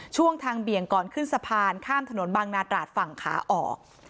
ช่วงทางเบี่ยงก่อนขึ้นสะพานข้ามถนนบางนาตราดฝั่งขาออก